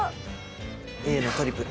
Ａのトリプル。